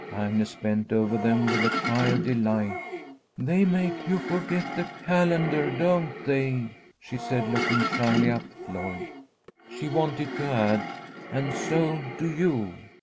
Agnes bent over them with a cry of delight. "They make you forget the calendar, don't they?" she said, looking shyly up at Lloyd. She wanted to add, "And so do you.